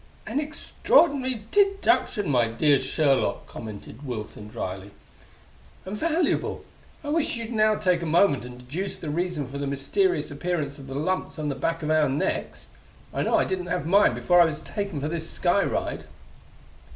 "An extraordinary deduction, my dear Sherlock," commented Wilson drily; "and valuable. I wish you'd now take a moment and deduce the reason for the mysterious appearance of the lumps on the back of our necks. I know I didn't have mine before I was taken for this sky ride."